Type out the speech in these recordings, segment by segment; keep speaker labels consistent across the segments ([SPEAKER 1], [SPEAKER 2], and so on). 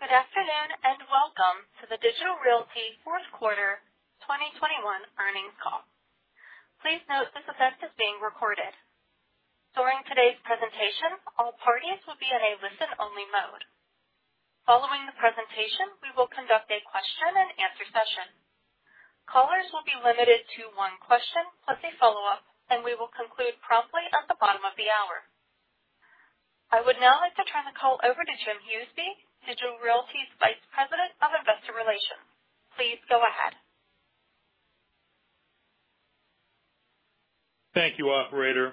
[SPEAKER 1] Good afternoon, and welcome to the Digital Realty Fourth Quarter 2021 Earnings Call. Please note this event is being recorded. During today's presentation, all parties will be in a listen-only mode. Following the presentation, we will conduct a question-and-answer session. Callers will be limited to one question plus a follow-up, and we will conclude promptly at the bottom of the hour. I would now like to turn the call over to Jim Huseby, Digital Realty's Vice President of Investor Relations. Please go ahead.
[SPEAKER 2] Thank you, operator,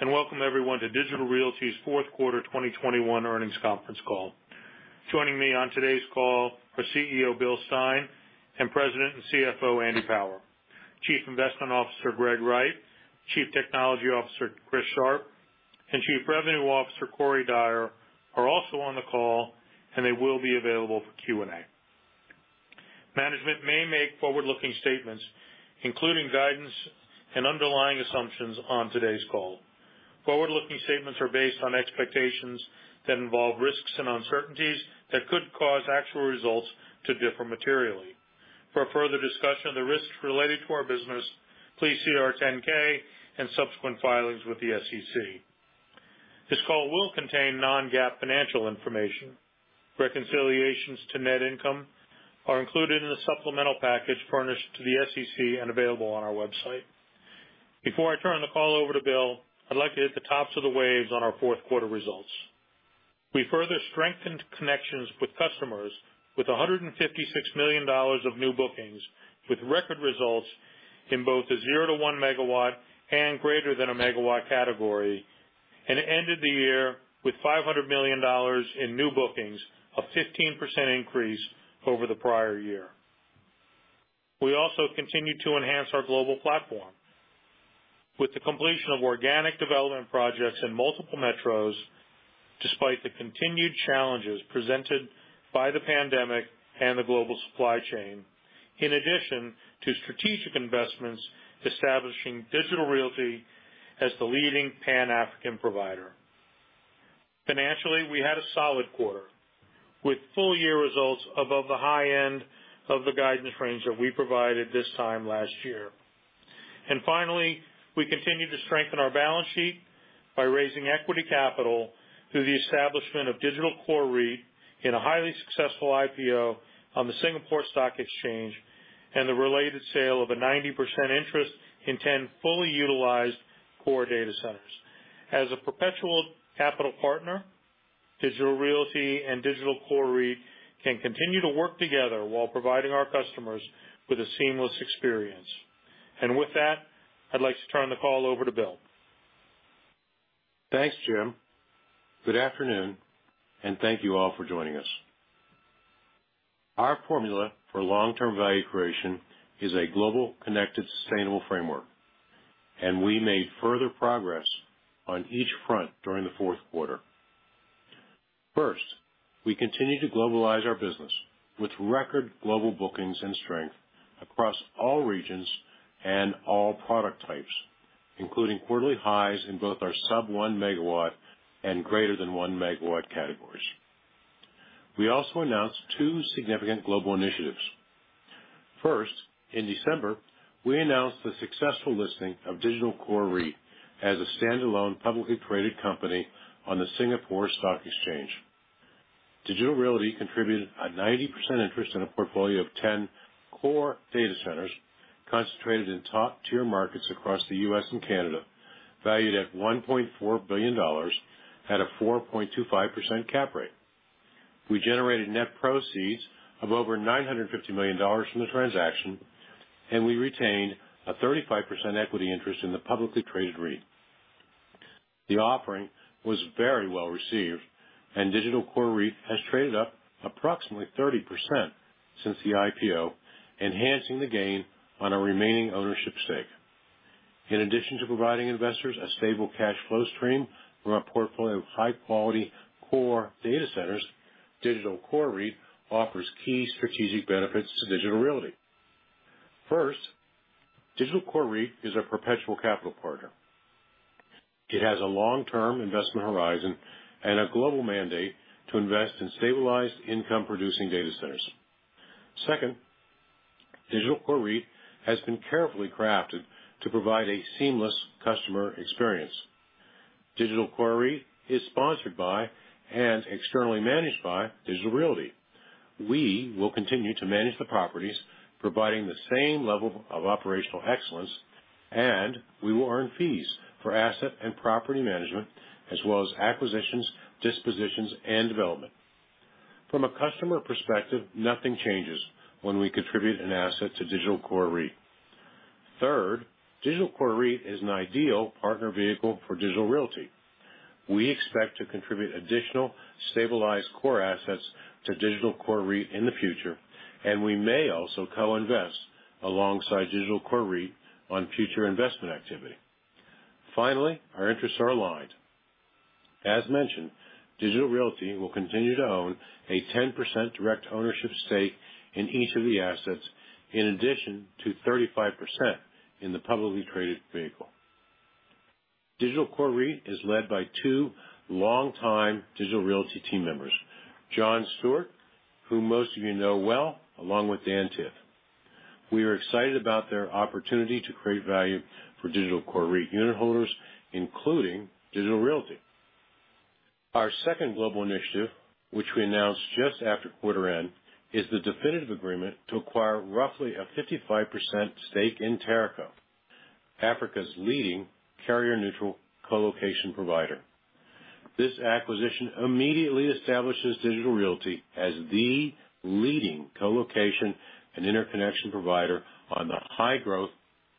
[SPEAKER 2] and welcome everyone to Digital Realty's Fourth Quarter 2021 Earnings Conference Call. Joining me on today's call are CEO, Bill Stein and President and CFO, Andy Power. Chief Investment Officer, Greg Wright, Chief Technology Officer, Chris Sharp, and Chief Revenue Officer, Corey Dyer are also on the call, and they will be available for Q&A. Management may make forward-looking statements, including guidance and underlying assumptions on today's call. Forward-looking statements are based on expectations that involve risks and uncertainties that could cause actual results to differ materially. For further discussion of the risks related to our business, please see our 10-K and subsequent filings with the SEC. This call will contain non-GAAP financial information. Reconciliations to net income are included in the supplemental package furnished to the SEC and available on our website. Before I turn the call over to Bill, I'd like to hit the highlights on our fourth quarter results. We further strengthened connections with customers with $156 million of new bookings, with record results in both the 0-1 MW and greater than 1 MW category, and ended the year with $500 million in new bookings, a 15% increase over the prior year. We also continued to enhance our global platform with the completion of organic development projects in multiple metros, despite the continued challenges presented by the pandemic and the global supply chain, in addition to strategic investments establishing Digital Realty as the leading Pan-African provider. Financially, we had a solid quarter, with full year results above the high end of the guidance range that we provided this time last year. Finally, we continue to strengthen our balance sheet by raising equity capital through the establishment of Digital Core REIT in a highly successful IPO on the Singapore Exchange and the related sale of a 90% interest in 10 fully utilized core data centers. As a perpetual capital partner, Digital Realty and Digital Core REIT can continue to work together while providing our customers with a seamless experience. With that, I'd like to turn the call over to Bill.
[SPEAKER 3] Thanks, Jim. Good afternoon, and thank you all for joining us. Our formula for long-term value creation is a global, connected, sustainable framework, and we made further progress on each front during the fourth quarter. First, we continue to globalize our business with record global bookings and strength across all regions and all product types, including quarterly highs in both our sub 1 MW and greater than 1 MW categories. We also announced two significant global initiatives. First, in December, we announced the successful listing of Digital Core REIT as a standalone publicly traded company on the Singapore Stock Exchange. Digital Realty contributed a 90% interest in a portfolio of 10 core data centers concentrated in top-tier markets across the U.S. and Canada, valued at $1.4 billion at a 4.25% cap rate. We generated net proceeds of over $950 million from the transaction, and we retained a 35% equity interest in the publicly traded REIT. The offering was very well received, and Digital Core REIT has traded up approximately 30% since the IPO, enhancing the gain on our remaining ownership stake. In addition to providing investors a stable cash flow stream from a portfolio of high quality core data centers, Digital Core REIT offers key strategic benefits to Digital Realty. First, Digital Core REIT is a perpetual capital partner. It has a long-term investment horizon and a global mandate to invest in stabilized income producing data centers. Second, Digital Core REIT has been carefully crafted to provide a seamless customer experience. Digital Core REIT is sponsored by and externally managed by Digital Realty. We will continue to manage the properties, providing the same level of operational excellence, and we will earn fees for asset and property management as well as acquisitions, dispositions, and development. From a customer perspective, nothing changes when we contribute an asset to Digital Core REIT. Third, Digital Core REIT is an ideal partner vehicle for Digital Realty. We expect to contribute additional stabilized core assets to Digital Core REIT in the future, and we may also co-invest alongside Digital Core REIT on future investment activity. Finally, our interests are aligned. As mentioned, Digital Realty will continue to own a 10% direct ownership stake in each of the assets in addition to 35% in the publicly traded vehicle. Digital Core REIT is led by two longtime Digital Realty team members, John Stewart, who most of you know well, along with Dan Tith. We are excited about their opportunity to create value for Digital Core REIT unit holders, including Digital Realty. Our second global initiative, which we announced just after quarter-end, is the definitive agreement to acquire roughly a 55% stake in Teraco, Africa's leading carrier-neutral colocation provider. This acquisition immediately establishes Digital Realty as the leading colocation and interconnection provider on the high-growth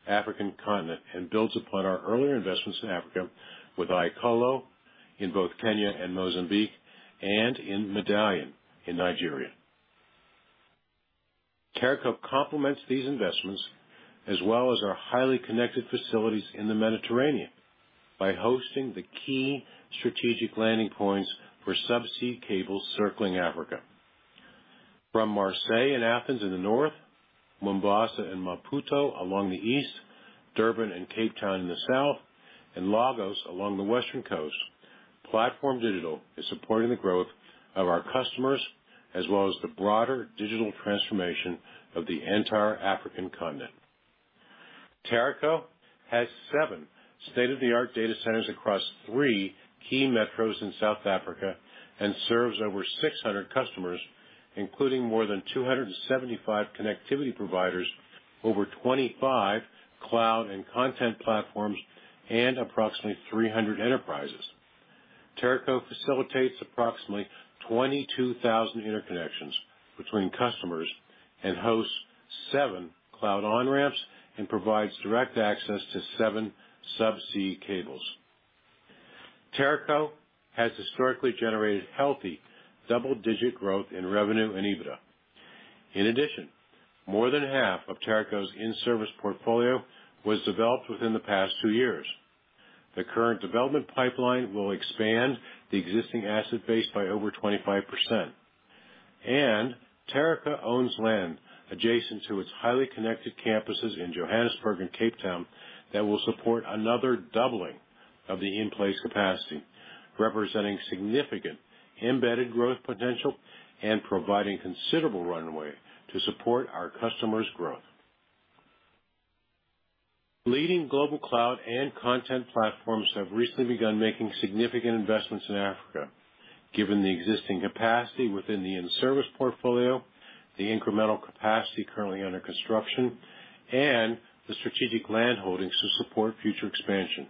[SPEAKER 3] African continent and builds upon our earlier investments in Africa with iColo in both Kenya and Mozambique and in Medallion in Nigeria. Teraco complements these investments as well as our highly connected facilities in the Mediterranean by hosting the key strategic landing points for subsea cables circling Africa. From Marseille and Athens in the north, Mombasa and Maputo along the east, Durban and Cape Town in the south, and Lagos along the western coast, PlatformDIGITAL is supporting the growth of our customers as well as the broader digital transformation of the entire African continent. Teraco has seven state-of-the-art data centers across three key metros in South Africa and serves over 600 customers, including more than 275 connectivity providers, over 25 cloud and content platforms, and approximately 300 enterprises. Teraco facilitates approximately 22,000 interconnections between customers and hosts seven cloud on-ramps and provides direct access to seven subsea cables. Teraco has historically generated healthy double-digit growth in revenue and EBITDA. In addition, more than half of Teraco's in-service portfolio was developed within the past two years. The current development pipeline will expand the existing asset base by over 25%. Teraco owns land adjacent to its highly connected campuses in Johannesburg and Cape Town that will support another doubling of the in-place capacity, representing significant embedded growth potential and providing considerable runway to support our customers' growth. Leading global cloud and content platforms have recently begun making significant investments in Africa, given the existing capacity within the in-service portfolio, the incremental capacity currently under construction, and the strategic land holdings to support future expansion.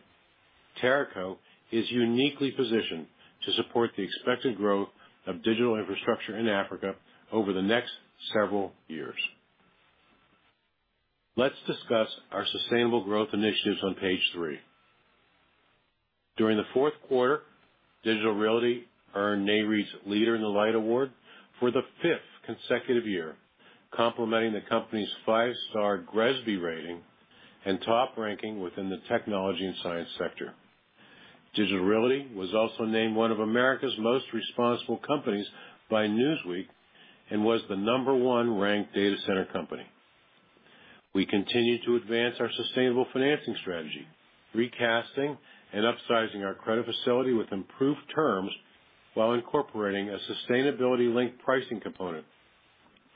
[SPEAKER 3] Teraco is uniquely positioned to support the expected growth of digital infrastructure in Africa over the next several years. Let's discuss our sustainable growth initiatives on page three. During the fourth quarter, Digital Realty earned Nareit's Leader in the Light Award for the fifth consecutive year, complementing the company's five-star GRESB rating and top ranking within the technology and science sector. Digital Realty was also named one of America's most responsible companies by Newsweek and was the number one ranked data center company. We continue to advance our sustainable financing strategy, recasting and upsizing our credit facility with improved terms while incorporating a sustainability-linked pricing component,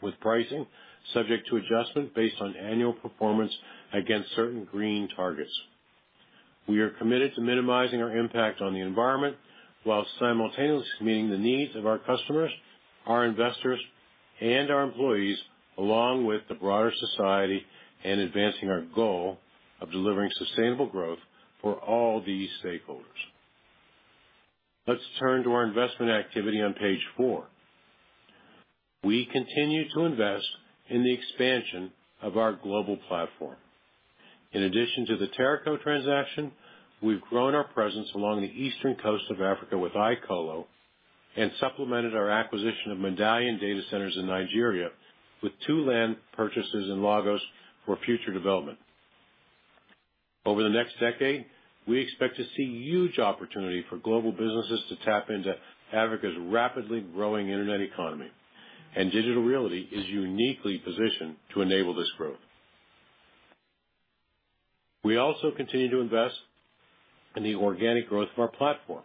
[SPEAKER 3] with pricing subject to adjustment based on annual performance against certain green targets. We are committed to minimizing our impact on the environment while simultaneously meeting the needs of our customers, our investors, and our employees, along with the broader society, and advancing our goal of delivering sustainable growth for all these stakeholders. Let's turn to our investment activity on page four. We continue to invest in the expansion of our global platform. In addition to the Teraco transaction, we've grown our presence along the eastern coast of Africa with iColo and supplemented our acquisition of Medallion Data Centers in Nigeria with two land purchases in Lagos for future development. Over the next decade, we expect to see huge opportunity for global businesses to tap into Africa's rapidly growing internet economy, and Digital Realty is uniquely positioned to enable this growth. We also continue to invest in the organic growth of our platform.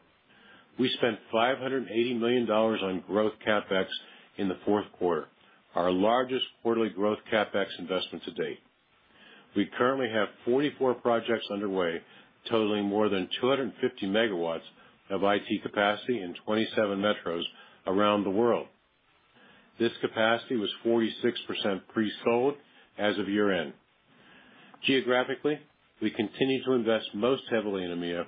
[SPEAKER 3] We spent $580 million on growth CapEx in the fourth quarter, our largest quarterly growth CapEx investment to date. We currently have 44 projects underway, totaling more than 250 MW of IT capacity in 27 metros around the world. This capacity was 46% presold as of year-end. Geographically, we continue to invest most heavily in EMEA,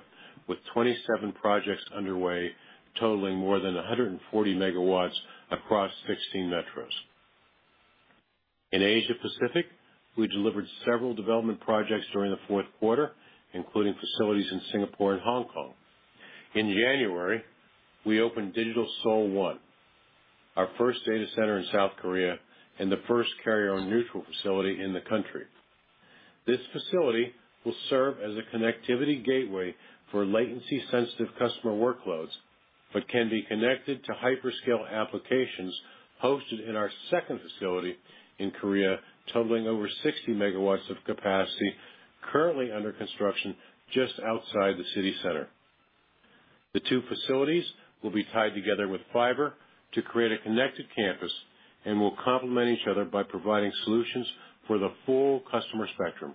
[SPEAKER 3] with 27 projects underway, totaling more than 140 MW across 16 metros. In Asia Pacific, we delivered several development projects during the fourth quarter, including facilities in Singapore and Hong Kong. In January, we opened Digital Seoul 1, our first data center in South Korea and the first carrier-neutral facility in the country. This facility will serve as a connectivity gateway for latency-sensitive customer workloads. It can be connected to Hyperscale applications hosted in our second facility in Korea, totaling over 60 MW of capacity currently under construction just outside the city center. The two facilities will be tied together with fiber to create a connected campus, and will complement each other by providing solutions for the full customer spectrum,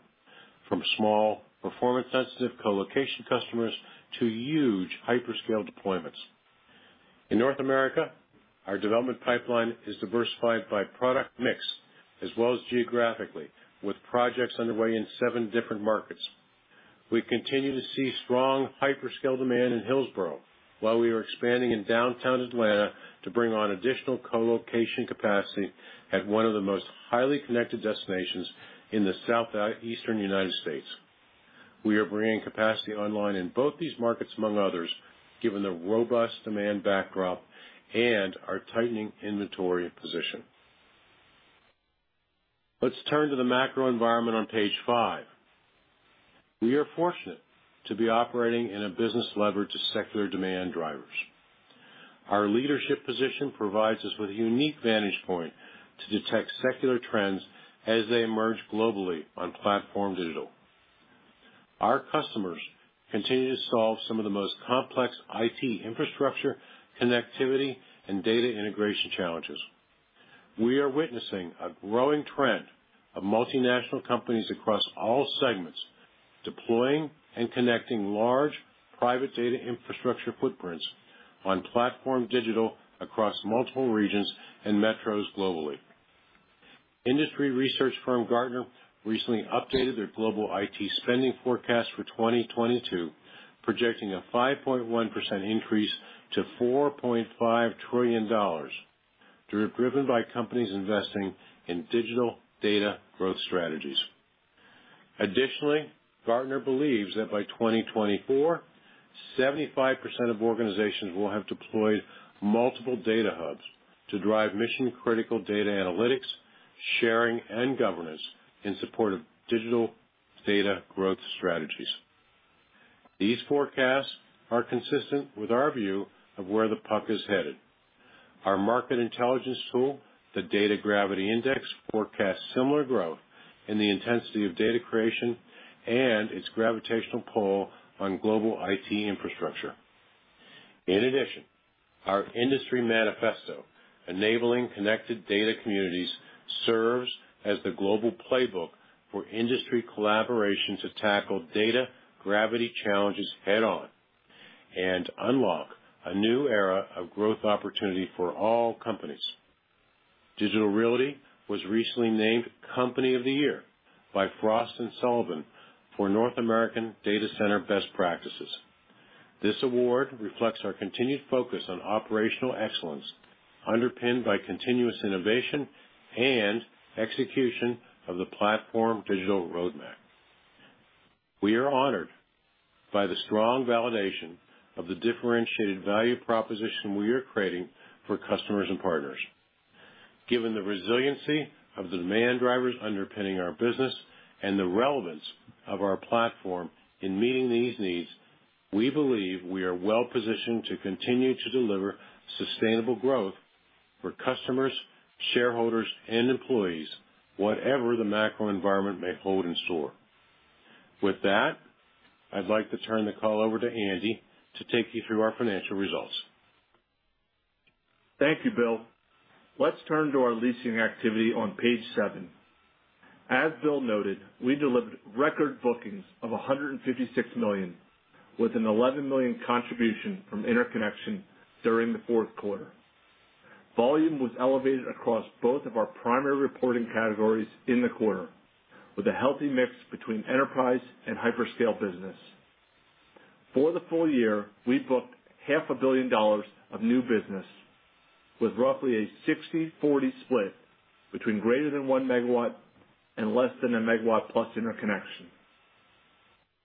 [SPEAKER 3] from small, performance sensitive colocation customers to huge Hyperscale deployments. In North America, our development pipeline is diversified by product mix as well as geographically, with projects underway in seven different markets. We continue to see strong Hyperscale demand in Hillsboro while we are expanding in downtown Atlanta to bring on additional colocation capacity at one of the most highly connected destinations in the Southeastern United States. We are bringing capacity online in both these markets, among others, given the robust demand backdrop and our tightening inventory position. Let's turn to the macro environment on page five. We are fortunate to be operating in a business levered to secular demand drivers. Our leadership position provides us with a unique vantage point to detect secular trends as they emerge globally on PlatformDIGITAL. Our customers continue to solve some of the most complex IT infrastructure, connectivity, and data integration challenges. We are witnessing a growing trend of multinational companies across all segments, deploying and connecting large private data infrastructure footprints on PlatformDIGITAL across multiple regions and metros globally. Industry research firm Gartner recently updated their global IT spending forecast for 2022, projecting a 5.1% increase to $4.5 trillion, driven by companies investing in digital data growth strategies. Additionally, Gartner believes that by 2024, 75% of organizations will have deployed multiple data hubs to drive mission critical data analytics, sharing, and governance in support of digital data growth strategies. These forecasts are consistent with our view of where the puck is headed. Our market intelligence tool, the Data Gravity Index, forecasts similar growth in the intensity of data creation and its gravitational pull on global IT infrastructure. In addition, our industry manifesto, Enabling Connected Data Communities, serves as the global playbook for industry collaboration to tackle data gravity challenges head on and unlock a new era of growth opportunity for all companies. Digital Realty was recently named Company of the Year by Frost & Sullivan for North American Data Center best practices. This award reflects our continued focus on operational excellence, underpinned by continuous innovation and execution of the PlatformDIGITAL roadmap. We are honored by the strong validation of the differentiated value proposition we are creating for customers and partners. Given the resiliency of the demand drivers underpinning our business and the relevance of our platform in meeting these needs, we believe we are well positioned to continue to deliver sustainable growth for customers, shareholders, and employees, whatever the macro environment may hold in store. With that, I'd like to turn the call over to Andy to take you through our financial results.
[SPEAKER 4] Thank you, Bill. Let's turn to our leasing activity on page seven. As Bill noted, we delivered record bookings of $156 million, with an $11 million contribution from interconnection during the fourth quarter. Volume was elevated across both of our primary reporting categories in the quarter, with a healthy mix between Enterprise and Hyperscale business. For the full year, we booked $500 million of new business with roughly a 60/40 split between greater than 1 MW and less than a megawatt plus interconnection.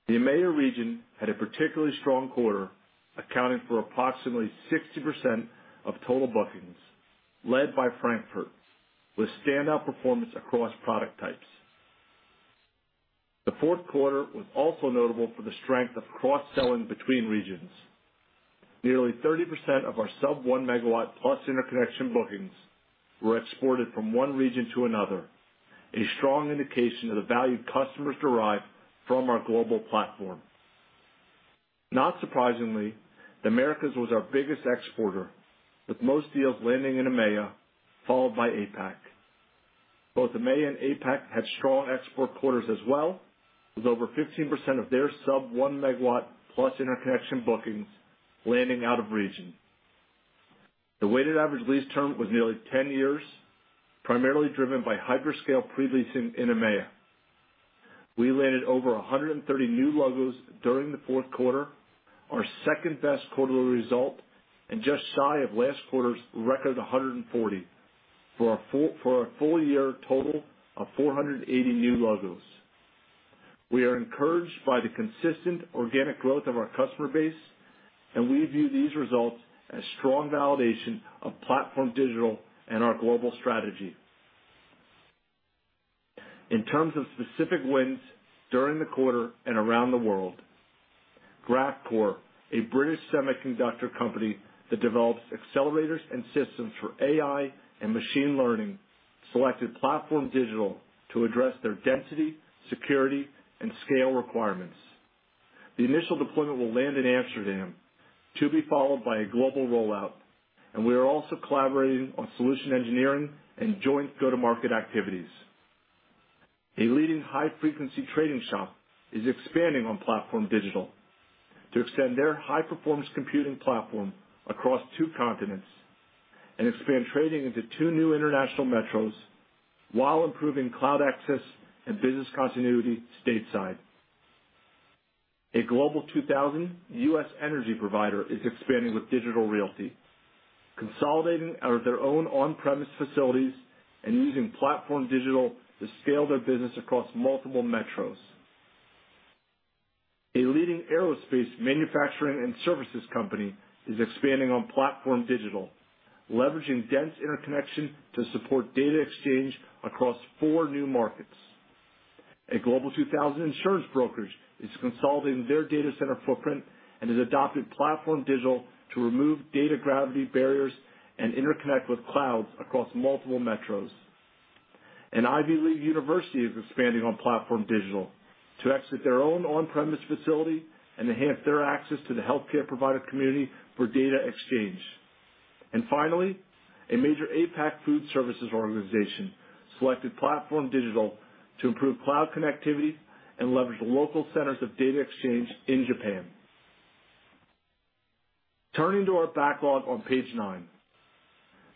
[SPEAKER 4] The EMEA region had a particularly strong quarter, accounting for approximately 60% of total bookings, led by Frankfurt, with standout performance across product types. The fourth quarter was also notable for the strength of cross-selling between regions. Nearly 30% of our sub 1 MW plus interconnection bookings were exported from one region to another, a strong indication of the value customers derive from our global platform. Not surprisingly, the Americas was our biggest exporter, with most deals landing in EMEA, followed by APAC. Both EMEA and APAC had strong export quarters as well, with over 15% of their sub 1 MW plus interconnection bookings landing out of region. The weighted average lease term was nearly 10 years, primarily driven by Hyperscale preleasing in EMEA. We landed over 130 new logos during the fourth quarter, our second-best quarterly result, and just shy of last quarter's record 140 for a full year total of 480 new logos. We are encouraged by the consistent organic growth of our customer base, and we view these results as strong validation of PlatformDIGITAL and our global strategy. In terms of specific wins during the quarter and around the world, Graphcore, a British semiconductor company that develops accelerators and systems for AI and machine learning, selected PlatformDIGITAL to address their density, security, and scale requirements. The initial deployment will land in Amsterdam, to be followed by a global rollout, and we are also collaborating on solution engineering and joint go-to-market activities. A leading high-frequency trading shop is expanding on PlatformDIGITAL to extend their high-performance computing platform across two continents and expand trading into two new international metros while improving cloud access and business continuity stateside. A Global 2000 US energy provider is expanding with Digital Realty, consolidating out of their own on-premise facilities and using PlatformDIGITAL to scale their business across multiple metros. A leading aerospace manufacturing and services company is expanding on PlatformDIGITAL, leveraging dense interconnection to support data exchange across four new markets. A Global 2000 insurance brokerage is consolidating their data center footprint and has adopted PlatformDIGITAL to remove data gravity barriers and interconnect with clouds across multiple metros. An Ivy League university is expanding on PlatformDIGITAL to exit their own on-premise facility and enhance their access to the healthcare provider community for data exchange. Finally, a major APAC food services organization selected PlatformDIGITAL to improve cloud connectivity and leverage local centers of data exchange in Japan. Turning to our backlog on page nine.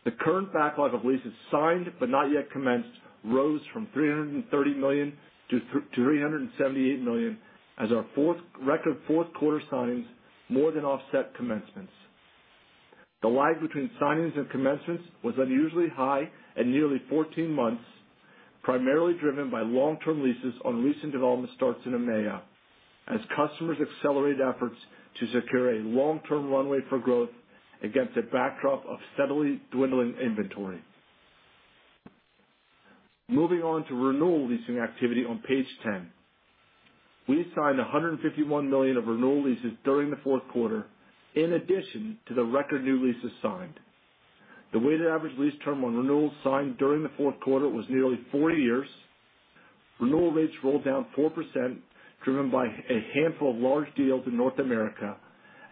[SPEAKER 4] The current backlog of leases signed but not yet commenced rose from $330 million-$378 million as our record fourth quarter signings more than offset commencements. The lag between signings and commencements was unusually high at nearly 14 months, primarily driven by long-term leases on recent development starts in EMEA, as customers accelerate efforts to secure a long-term runway for growth against a backdrop of steadily dwindling inventory. Moving on to renewal leasing activity on page 10. We signed $151 million of renewal leases during the fourth quarter in addition to the record new leases signed. The weighted average lease term on renewals signed during the fourth quarter was nearly four years. Renewal rates rolled down 4%, driven by a handful of large deals in North America,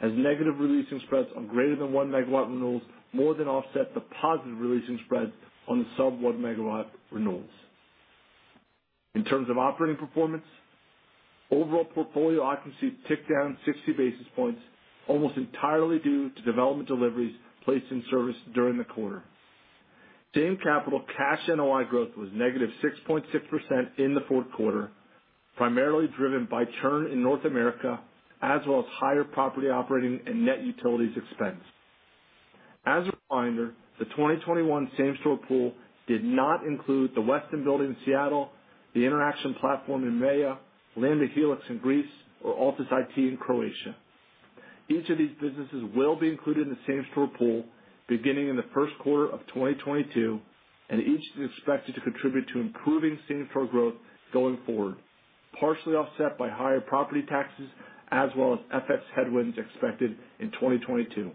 [SPEAKER 4] as negative re-leasing spreads on greater than 1 MW renewals more than offset the positive re-leasing spreads on the sub-1 MW renewals. In terms of operating performance, overall portfolio occupancy ticked down 60 basis points almost entirely due to development deliveries placed in service during the quarter. Same-store cash NOI growth was -6.6% in the fourth quarter, primarily driven by churn in North America, as well as higher property operating and net utilities expense. As a reminder, the 2021 same-store pool did not include the Westin Building in Seattle, the Interxion platform in EMEA, Lamda Hellix in Greece, or Altus IT in Croatia. Each of these businesses will be included in the same-store pool beginning in the first quarter of 2022, and each is expected to contribute to improving same-store growth going forward, partially offset by higher property taxes as well as FX headwinds expected in 2022.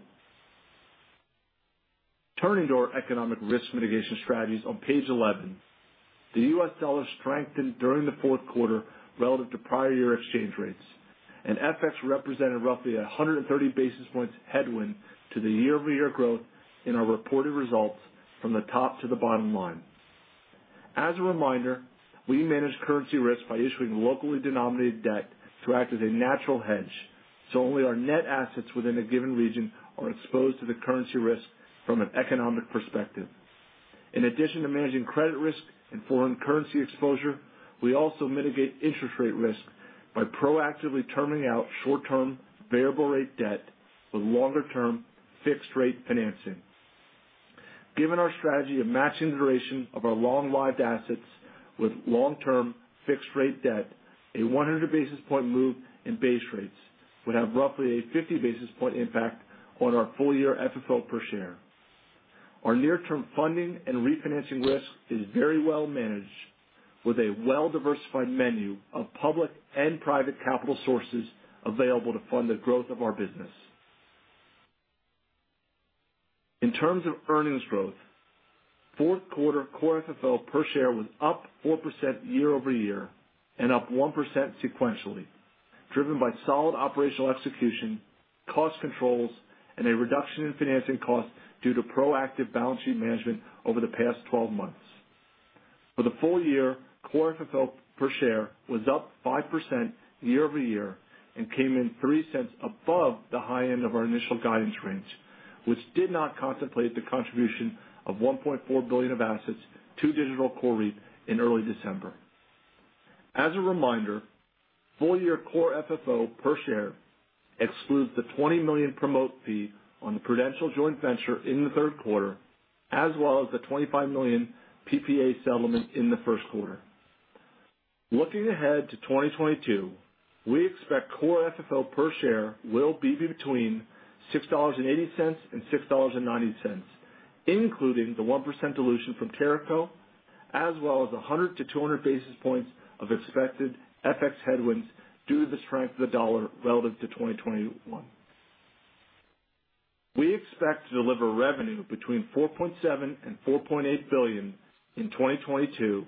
[SPEAKER 4] Turning to our economic risk mitigation strategies on page 11. The U.S. dollar strengthened during the fourth quarter relative to prior year exchange rates, and FX represented roughly 130 basis points headwind to the year-over-year growth in our reported results from the top to the bottom line. As a reminder, we manage currency risk by issuing locally denominated debt to act as a natural hedge, so only our net assets within a given region are exposed to the currency risk from an economic perspective. In addition to managing credit risk and foreign currency exposure, we also mitigate interest rate risk by proactively terming out short-term variable rate debt with longer term fixed rate financing. Given our strategy of matching the duration of our long-lived assets with long-term fixed rate debt, a 100 basis point move in base rates would have roughly a 50 basis point impact on our full-year FFO per share. Our near-term funding and refinancing risk is very well managed, with a well-diversified menu of public and private capital sources available to fund the growth of our business. In terms of earnings growth, fourth quarter core FFO per share was up 4% year-over-year and up 1% sequentially, driven by solid operational execution, cost controls, and a reduction in financing costs due to proactive balance sheet management over the past 12 months. For the full-year, Core FFO per share was up 5% year-over-year and came in $0.03 above the high end of our initial guidance range, which did not contemplate the contribution of $1.4 billion of assets to Digital Core REIT in early December. As a reminder, full-year Core FFO per share excludes the $20 million promote fee on the Prudential joint venture in the third quarter, as well as the $25 million PPA settlement in the first quarter. Looking ahead to 2022, we expect Core FFO per share will be between $6.80 and $6.90, including the 1% dilution from Teraco, as well as 100-200 basis points of expected FX headwinds due to the strength of the dollar relative to 2021. We expect to deliver revenue between $4.7 billion-$4.8 billion in 2022 and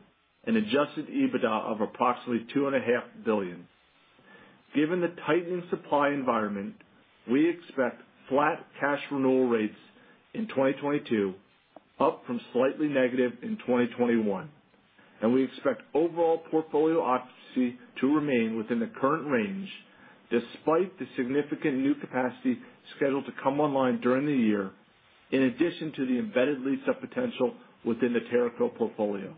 [SPEAKER 4] adjusted EBITDA of approximately $2.5 billion. Given the tightening supply environment, we expect flat cash renewal rates in 2022, up from slightly negative in 2021. We expect overall portfolio occupancy to remain within the current range despite the significant new capacity scheduled to come online during the year, in addition to the embedded lease of potential within the Teraco portfolio.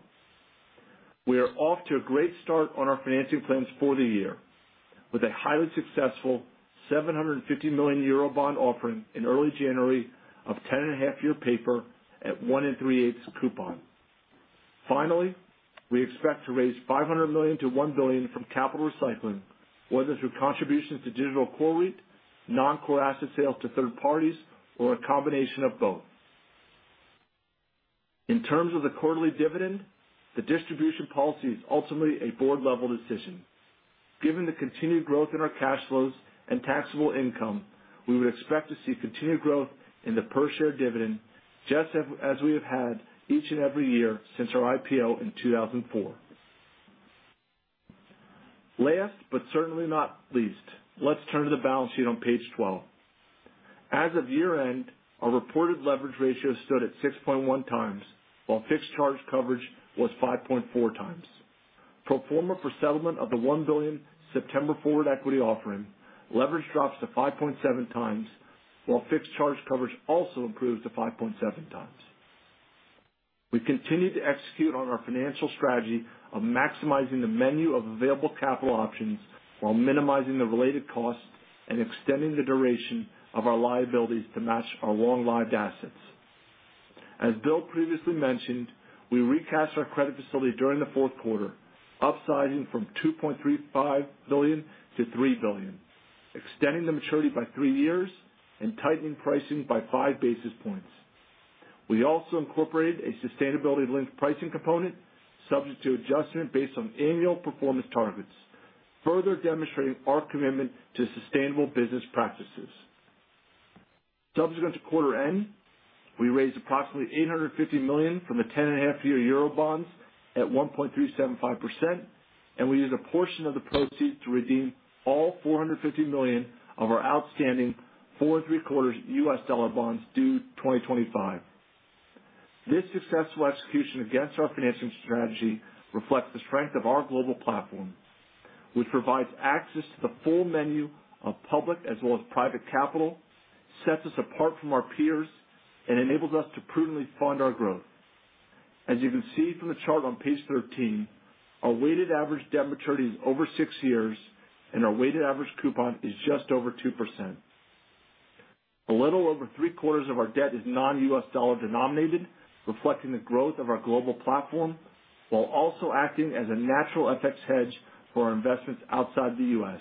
[SPEAKER 4] We are off to a great start on our financing plans for the year with a highly successful 750 million euro bond offering in early January of 10.5-year paper at 1 3/8% coupon. Finally, we expect to raise $500 million-$1 billion from capital recycling, whether through contributions to Digital Core REIT, non-core asset sales to third parties, or a combination of both. In terms of the quarterly dividend, the distribution policy is ultimately a board-level decision. Given the continued growth in our cash flows and taxable income, we would expect to see continued growth in the per share dividend, just as we have had each and every year since our IPO in 2004. Last but certainly not least, let's turn to the balance sheet on page 12. As of year-end, our reported leverage ratio stood at 6.1x, while fixed charge coverage was 5.4x. Pro forma for settlement of the $1 billion September forward equity offering, leverage drops to 5.7x, while fixed charge coverage also improves to 5.7x. We continue to execute on our financial strategy of maximizing the menu of available capital options while minimizing the related costs and extending the duration of our liabilities to match our long-lived assets. As Bill previously mentioned, we recast our credit facility during the fourth quarter, upsizing from $2.35 billion to $3 billion, extending the maturity by three years and tightening pricing by 5 basis points. We also incorporated a sustainability-linked pricing component subject to adjustment based on annual performance targets, further demonstrating our commitment to sustainable business practices. Subsequent to quarter-end, we raised approximately 850 million from the 10.5-year euro bonds at 1.375%, and we used a portion of the proceeds to redeem all $450 million of our outstanding 4.75% US dollar bonds due 2025. This successful execution against our financing strategy reflects the strength of our global platform, which provides access to the full menu of public as well as private capital, sets us apart from our peers, and enables us to prudently fund our growth. As you can see from the chart on page 13, our weighted average debt maturity is over six years, and our weighted average coupon is just over 2%. A little over three-quarters of our debt is non-U.S. dollar-denominated, reflecting the growth of our global platform while also acting as a natural FX hedge for our investments outside the U.S.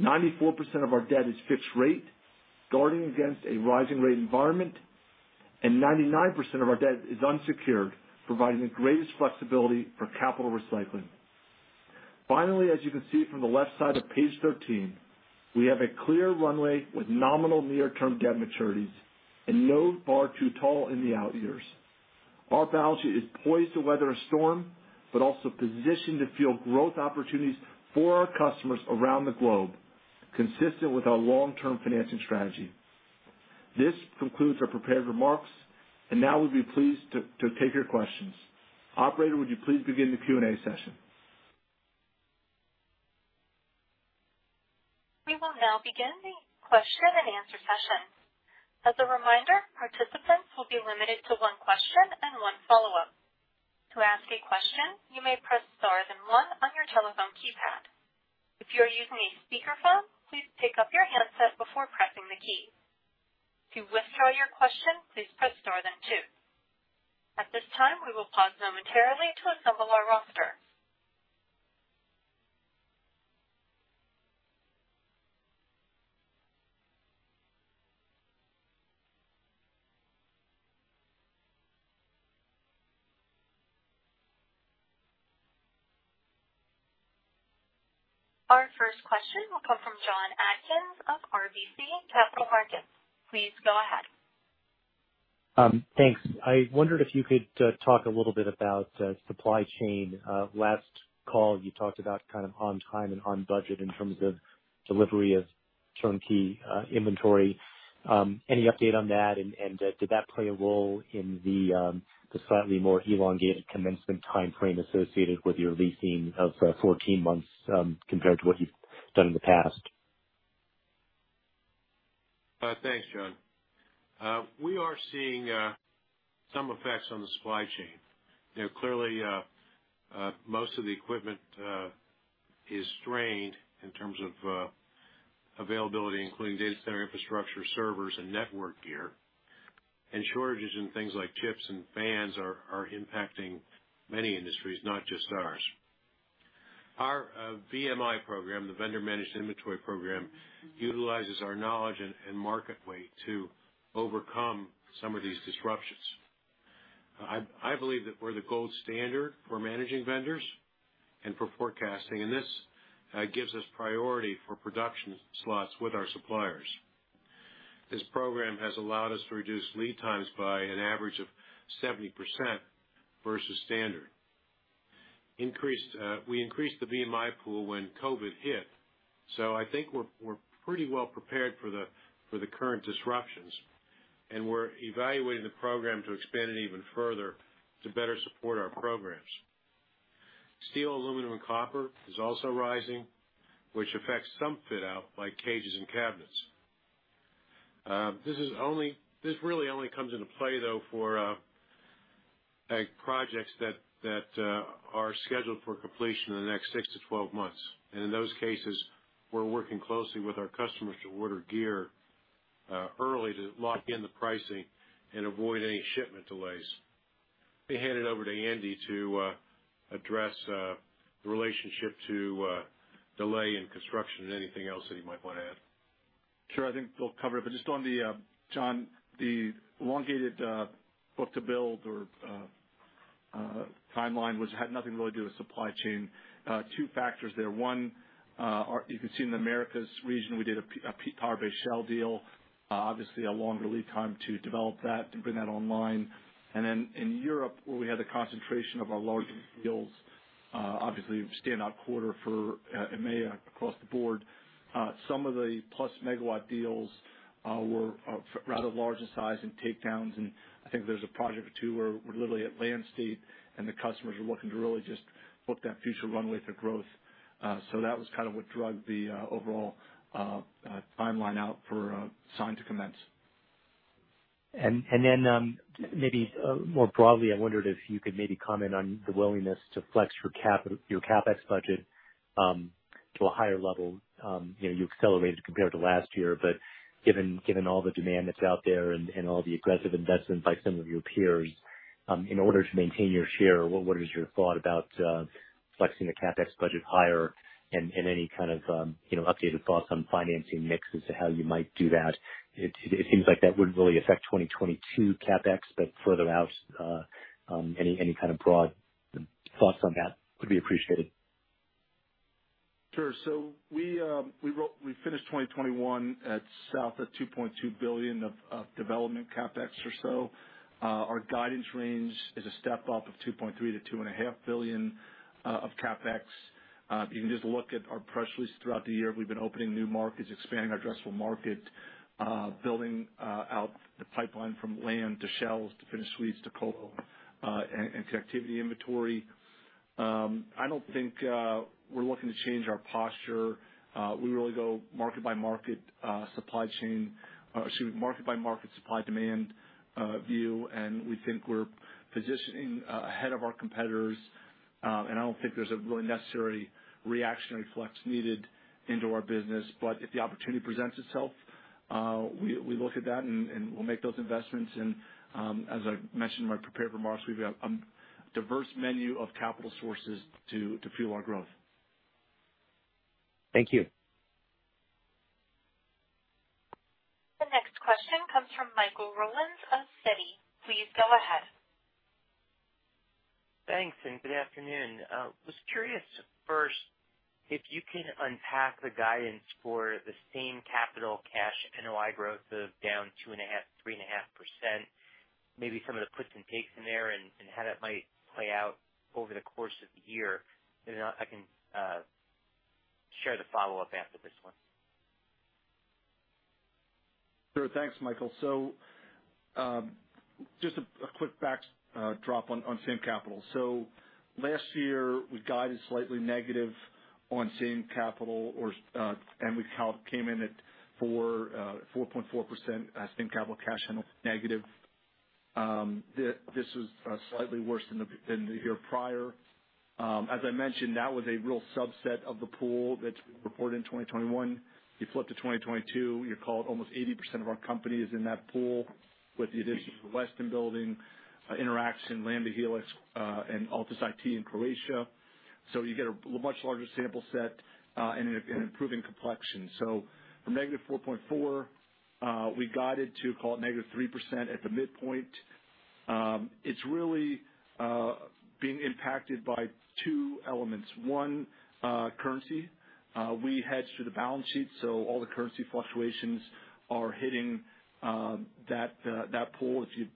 [SPEAKER 4] 94% of our debt is fixed rate, guarding against a rising rate environment, and 99% of our debt is unsecured, providing the greatest flexibility for capital recycling. Finally, as you can see from the left side of page 13, we have a clear runway with nominal near-term debt maturities and no bar too tall in the out years. Our balance sheet is poised to weather a storm, but also positioned to fuel growth opportunities for our customers around the globe, consistent with our long-term financing strategy. This concludes our prepared remarks, and now we'd be pleased to take your questions. Operator, would you please begin the Q&A session?
[SPEAKER 1] We will now begin the question-and-answer session. As a reminder, participants will be limited to one question and one follow-up. To ask a question, you may press star then one on your telephone keypad. If you are using a speakerphone, please pick up your handset before pressing the key. To withdraw your question, please press star then two. At this time, we will pause momentarily to assemble our roster. Our first question will come from Jon Atkin of RBC Capital Markets. Please go ahead.
[SPEAKER 5] Thanks. I wondered if you could talk a little bit about supply chain. Last call you talked about kind of on time and on budget in terms of delivery of Turn-Key inventory. Any update on that? Did that play a role in the slightly more elongated commencement timeframe associated with your leasing of 14 months, compared to what you've done in the past?
[SPEAKER 3] Thanks, Jon. We are seeing some effects on the supply chain. You know, clearly, most of the equipment is strained in terms of availability, including data center infrastructure, servers, and network gear. Shortages in things like chips and fans are impacting many industries, not just ours. Our VMI program, the Vendor Managed Inventory program, utilizes our knowledge and market weight to overcome some of these disruptions. I believe that we're the gold standard for managing vendors and for forecasting, and this gives us priority for production slots with our suppliers. This program has allowed us to reduce lead times by an average of 70% versus standard. We increased the VMI pool when COVID hit, so I think we're pretty well prepared for the current disruptions. We're evaluating the program to expand it even further to better support our programs. Steel, aluminum, and copper is also rising, which affects some fit out, like cages and cabinets. This really only comes into play, though, for, like, projects that are scheduled for completion in the next six to 12 months. In those cases, we're working closely with our customers to order gear early to lock in the pricing and avoid any shipment delays. Let me hand it over to Andy to address the relationship to delay in construction and anything else that he might wanna add.
[SPEAKER 4] Sure. I think we'll cover it. Just on the Jon, the elongated book-to-build or timeline, which had nothing really to do with supply chain. Two factors there. One, you can see in the Americas region, we did a power-based shell deal. Obviously a longer lead time to develop that, to bring that online. In Europe, where we had the concentration of our larger deals, obviously a standout quarter for EMEA across the board. Some of the plus megawatt deals were rather large in size and takedowns, and I think there's a project or two where we're literally at land state, and the customers are looking to really just book that future runway for growth. That was kind of what drove the overall timeline out for sign to commence.
[SPEAKER 5] Then maybe more broadly, I wondered if you could maybe comment on the willingness to flex your CapEx budget to a higher level. You know, you accelerated compared to last year, but given all the demand that's out there and all the aggressive investments by some of your peers, in order to maintain your share, what is your thought about flexing the CapEx budget higher and any kind of, you know, updated thoughts on financing mix as to how you might do that? It seems like that wouldn't really affect 2022 CapEx, but further out, any kind of broad thoughts on that would be appreciated.
[SPEAKER 4] Sure. We finished 2021 at south of $2.2 billion of development CapEx or so. Our guidance range is a step up of $2.3 billion-$2.5 billion of CapEx. If you can just look at our press release throughout the year, we've been opening new markets, expanding our addressable market, building out the pipeline from land to shells, to finished suites, to colo, and to activity inventory. I don't think we're looking to change our posture. We really go market by market supply demand view, and we think we're positioning ahead of our competitors. I don't think there's a really necessary reactionary flex needed into our business. If the opportunity presents itself, we look at that and we'll make those investments. As I mentioned in my prepared remarks, we've got diverse menu of capital sources to fuel our growth.
[SPEAKER 5] Thank you.
[SPEAKER 1] The next question comes from Michael Rollins of Citi. Please go ahead.
[SPEAKER 6] Thanks, good afternoon. I was curious first if you can unpack the guidance for the same-store cash NOI growth of down 2.5%-3.5%, maybe some of the puts and takes in there and how that might play out over the course of the year. Then I can share the follow-up after this one.
[SPEAKER 4] Sure. Thanks, Michael. Just a quick backdrop on same-capital. Last year, we guided slightly negative on same-capital, and we came in at 4.4% as same-capital cash NOI negative. This was slightly worse than the year prior. As I mentioned, that was a relatively small subset of the pool that's reported in 2021. You flip to 2022, you call it almost 80% of our company is in that pool with the addition of Westin Building, Interxion, Lamda Hellix, and Altus IT in Croatia. You get a much larger sample set, and an improving complexion. From -4.4%, we guided to -3% at the midpoint. It's really being impacted by two elements. One, currency. We hedge through the balance sheet, so all the currency fluctuations are hitting that pool. If you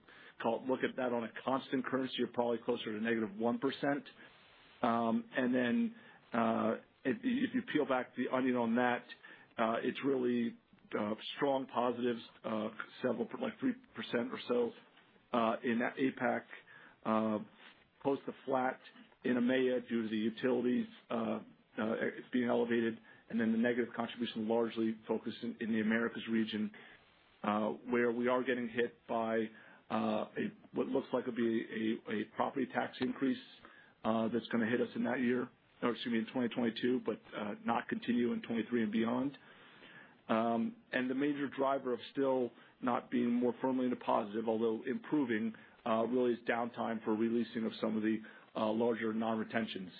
[SPEAKER 4] can look at that on a constant currency, you're probably closer to -1%. And then, if you peel back the onion on that, it's really strong positives, several percent like 3% or so, in that APAC. Close to flat in EMEA due to the utilities, it's being elevated. The negative contribution largely focused in the Americas region, where we are getting hit by a what looks like it'll be a property tax increase that's gonna hit us in that year. Or excuse me, in 2022, but not continue in 2023 and beyond. The major driver of still not being more firmly into positive, although improving, really is downtime for re-leasing of some of the larger non-retentions.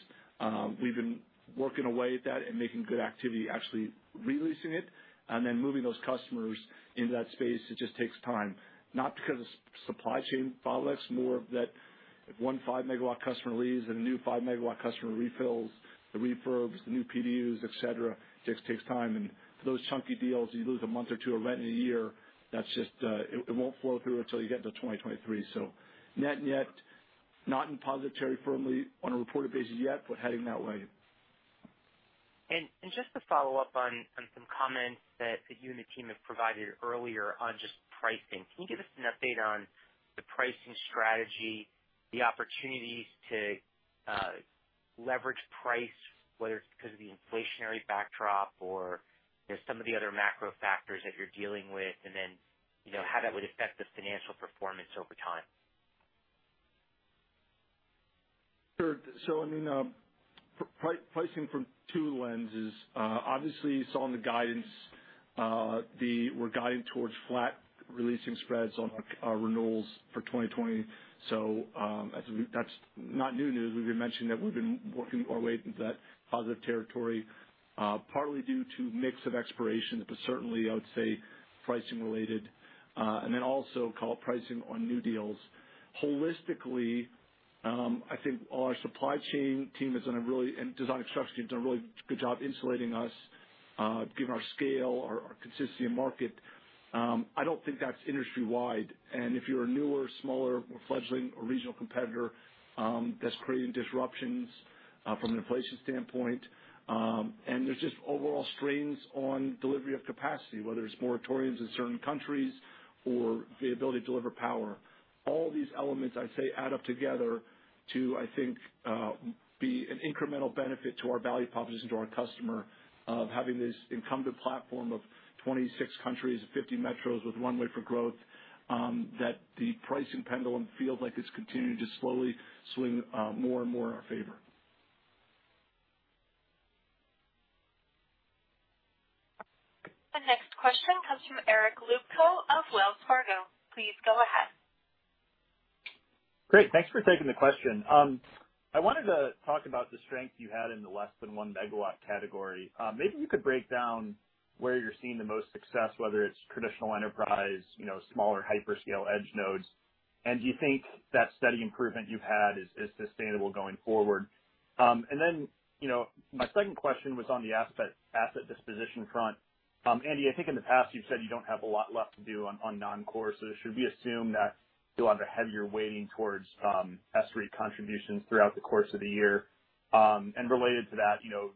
[SPEAKER 4] We've been working away at that and making good activity actually re-leasing it, and then moving those customers into that space. It just takes time. Not because of supply chain bottlenecks, more of that if a 15 MW customer leaves, and a new 5 MW customer refills the refurbs, the new PDUs, et cetera. It just takes time. For those chunky deals, you lose a month or two of rent in a year. That's just it. It won't flow through until you get to 2023. Net-net, not in positive territory firmly on a reported basis yet, but heading that way.
[SPEAKER 6] Just to follow-up on some comments that you and the team have provided earlier on just pricing. Can you give us an update on the pricing strategy, the opportunities to leverage price, whether it's because of the inflationary backdrop or, you know, some of the other macro factors that you're dealing with? Then, you know, how that would affect the financial performance over time.
[SPEAKER 4] Sure. I mean, pricing from two lenses, obviously you saw in the guidance. We're guiding towards flat re-leasing spreads on our renewals for 2020. That's not new news. We've been mentioning that we've been working our way into that positive territory, partly due to mix of expirations, but certainly I would say pricing related. Then also call it pricing on new deals. Holistically, I think our supply chain and design and construction team has done a really good job insulating us, given our scale, our consistency in market. I don't think that's industry-wide. If you're a newer, smaller, more fledgling or regional competitor, that's creating disruptions from an inflation standpoint. There's just overall strains on delivery of capacity, whether it's moratoriums in certain countries or the ability to deliver power. All these elements, I'd say add up together to, I think, be an incremental benefit to our value proposition to our customer of having this incumbent platform of 26 countries and 50 metros with runway for growth, that the pricing pendulum feels like it's continuing to slowly swing, more and more in our favor.
[SPEAKER 1] The next question comes from Eric Luebchow of Wells Fargo. Please go ahead.
[SPEAKER 7] Great. Thanks for taking the question. I wanted to talk about the strength you had in the less than 1 MW category. Maybe you could break down where you're seeing the most success, whether it's traditional Enterprise, you know, smaller Hyperscale edge nodes. Do you think that steady improvement you've had is sustainable going forward? And then, you know, my second question was on the asset disposition front. Andy, I think in the past you've said you don't have a lot left to do on non-core. Should we assume that you'll have a heavier weighting towards S-REIT contributions throughout the course of the year? Related to that, you know,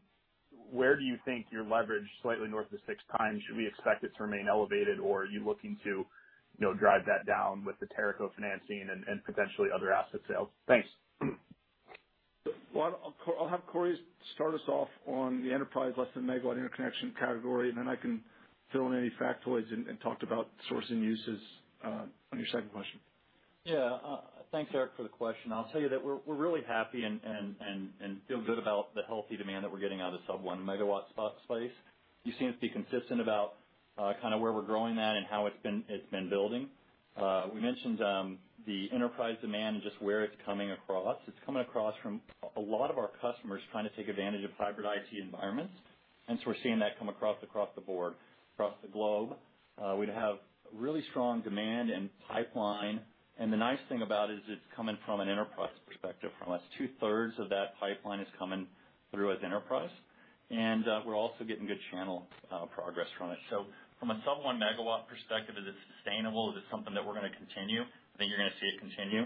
[SPEAKER 7] where do you think your leverage slightly north of 6x, should we expect it to remain elevated or are you looking to, you know, drive that down with the Teraco financing and potentially other asset sales? Thanks.
[SPEAKER 4] Well, I'll have Corey start us off on the Enterprise less than megawatt interconnection category, and then I can fill in any factoids and talk about sourcing uses on your second question.
[SPEAKER 8] Yeah. Thanks, Eric, for the question. I'll tell you that we're really happy and feel good about the healthy demand that we're getting out of sub-1 MW space. You've seen us be consistent about kind of where we're growing that and how it's been building. We mentioned the Enterprise demand and just where it's coming across. It's coming across from a lot of our customers trying to take advantage of Hybrid IT environments, and so we're seeing that come across across the board, across the globe. We'd have really strong demand and pipeline, and the nice thing about it is it's coming from an enterprise perspective for us. 2/3 of that pipeline is coming through as Enterprise. We're also getting good channel progress from it. From a sub-1 MW perspective, is it sustainable? Is it something that we're gonna continue? I think you're gonna see it continue.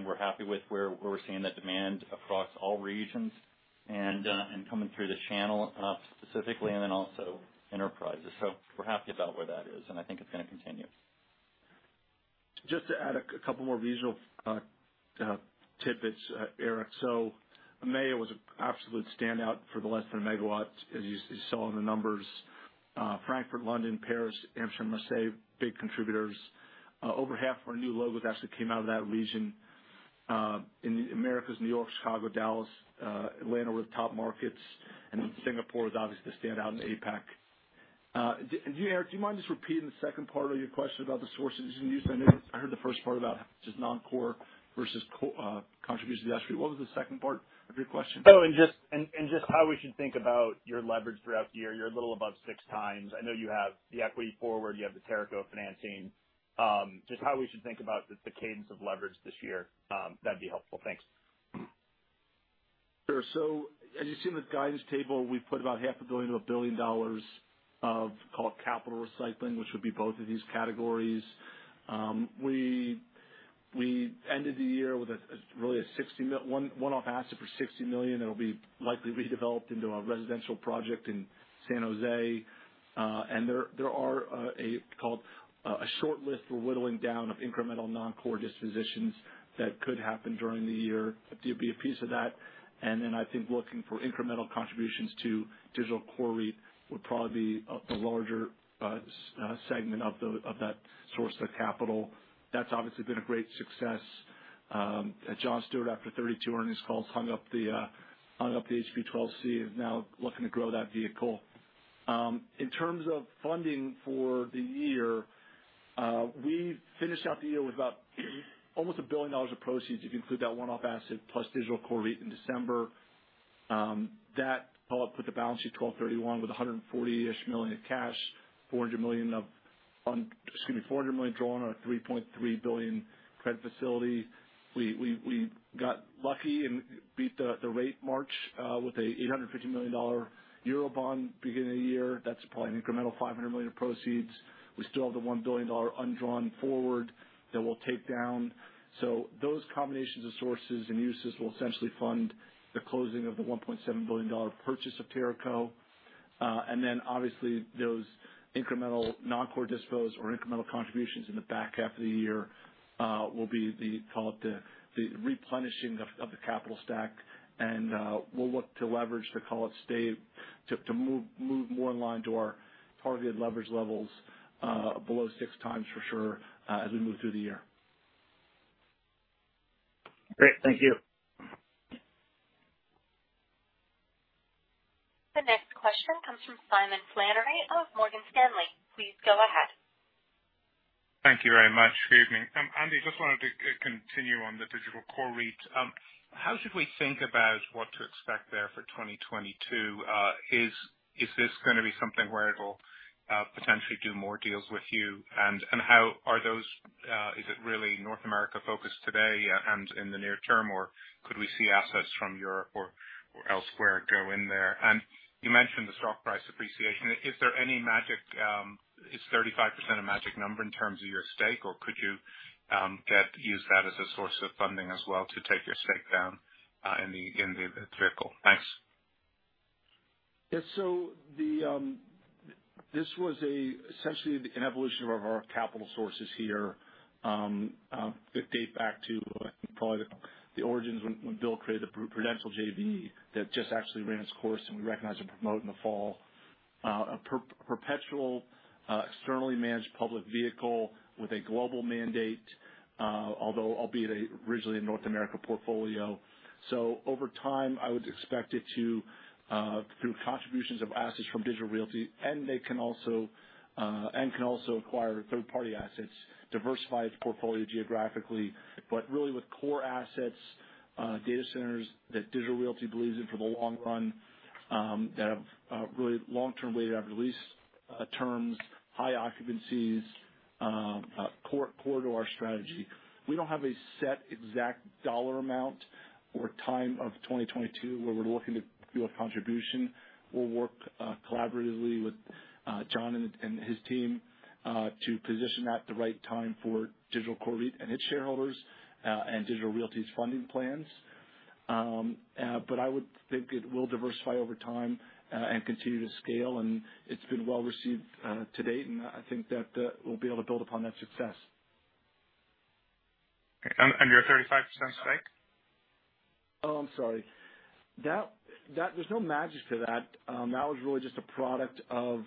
[SPEAKER 8] We're happy with where we're seeing the demand across all regions and coming through the channel, specifically and then also enterprises. We're happy about where that is, and I think it's gonna continue.
[SPEAKER 4] Just to add a couple more regional tidbits, Eric. So EMEA was an absolute standout for the less than a megawatt, as you saw in the numbers. Frankfurt, London, Paris, Amsterdam, Marseille, big contributors. Over half our new logos actually came out of that region. In the Americas, New York, Chicago, Dallas, Atlanta were the top markets. Singapore is obviously the standout in APAC. You Eric, do you mind just repeating the second part of your question about the sources and use? I know I heard the first part about just non-core versus core contribution to the S-REIT. What was the second part of your question?
[SPEAKER 7] Just how we should think about your leverage throughout the year. You're a little above 6x. I know you have the equity forward, you have the Teraco financing. Just how we should think about the cadence of leverage this year, that'd be helpful. Thanks.
[SPEAKER 4] Sure. As you see in the guidance table, we've put about $500 million-$1 billion of call it capital recycling, which would be both of these categories. We ended the year with a really one-off asset for $60 million that'll be likely redeveloped into a residential project in San Jose. There are a call it a short list we're whittling down of incremental non-core dispositions that could happen during the year. There'll be a piece of that, and then I think looking for incremental contributions to Digital Core REIT would probably be a larger segment of that source of capital. That's obviously been a great success. As John Stewart after 32 earnings calls hung up the HP 12C is now looking to grow that vehicle. In terms of funding for the year, we finished out the year with about almost $1 billion of proceeds if you include that one-off asset plus Digital Core REIT in December. That all up put the balance sheet 12/31 with $140-ish million in cash, $400 million drawn on a $3.3 billion credit facility. We got lucky and beat the rate hike with a 850 million euro bond beginning of the year. That's probably an incremental $500 million of proceeds. We still have the $1 billion undrawn forward that we'll take down. Those combinations of sources and uses will essentially fund the closing of the $1.7 billion purchase of Teraco. Those incremental non-core dispositions or incremental contributions in the back half of the year will be, call it, the replenishing of the capital stack. We'll look to leverage, to call it, stay at, to move more in line with our targeted leverage levels, below 6x for sure, as we move through the year.
[SPEAKER 7] Great. Thank you.
[SPEAKER 1] The next question comes from Simon Flannery of Morgan Stanley. Please go ahead.
[SPEAKER 9] Thank you very much. Good evening. Andy, just wanted to continue on the Digital Core REIT. How should we think about what to expect there for 2022? Is this gonna be something where it'll potentially do more deals with you? How are those? Is it really North America focused today, and in the near term, or could we see assets from Europe or elsewhere go in there? You mentioned the stock price appreciation. Is there any magic, is 35% a magic number in terms of your stake, or could you use that as a source of funding as well to take your stake down, in the vehicle? Thanks.
[SPEAKER 4] Yeah. This was essentially an evolution of our capital sources here that date back to I think probably the origins when Bill created the Prudential JV that just actually ran its course, and we recognized and promoted in the fall a perpetual externally managed public vehicle with a global mandate, although originally a North America portfolio. Over time, I would expect it to through contributions of assets from Digital Realty, and it can also acquire third-party assets, diversify its portfolio geographically, but really with core assets, data centers that Digital Realty believes in for the long run that have really long-term weighted average lease terms, high occupancies, core to our strategy. We don't have a set exact dollar amount or time of 2022 where we're looking to do a contribution. We'll work collaboratively with John and his team to position that at the right time for Digital Core REIT and its shareholders and Digital Realty's funding plans. I would think it will diversify over time and continue to scale, and it's been well received to date, and I think that we'll be able to build upon that success.
[SPEAKER 9] Your 35% stake?
[SPEAKER 4] I'm sorry. There's no magic to that. That was really just a product of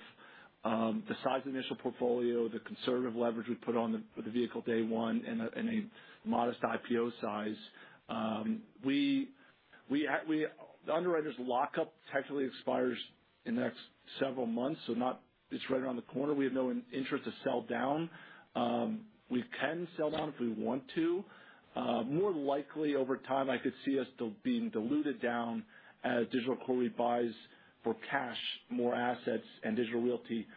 [SPEAKER 4] the size initial portfolio, the conservative leverage we put on the vehicle day one and a modest IPO size. The underwriters lockup technically expires in the next several months. It's right around the corner. We have no interest to sell down. We can sell down if we want to. More than likely over time, I could see us still being diluted down as Digital Core REIT buys for cash more assets and Digital Realty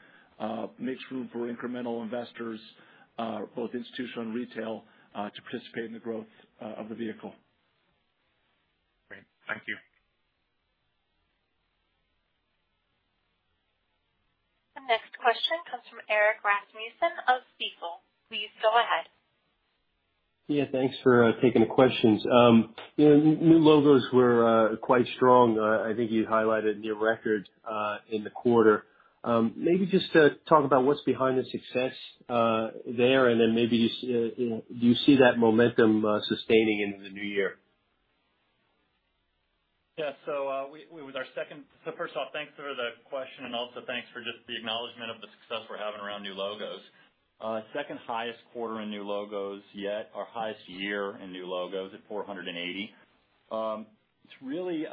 [SPEAKER 4] makes room for incremental investors, both institutional and retail, to participate in the growth of the vehicle.
[SPEAKER 9] Great. Thank you.
[SPEAKER 1] The next question comes from Eric Rasmussen of Stifel. Please go ahead.
[SPEAKER 10] Yeah, thanks for taking the questions. You know, new logos were quite strong. I think you highlighted near record in the quarter. Maybe just talk about what's behind the success there, and then maybe do you see that momentum sustaining into the new year?
[SPEAKER 8] First off, thanks for the question, and also thanks for just the acknowledgement of the success we're having around new logos. Second highest quarter in new logos yet. Our highest year in new logos at 480. It's really